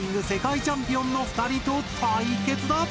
世界チャンピオンの２人と対決だ！